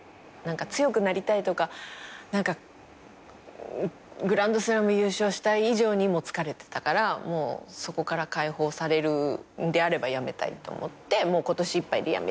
強くなりたいとかグランドスラム優勝したい以上にもう疲れてたからもうそこから解放されるんであればやめたいと思って今年いっぱいでやめようと思って。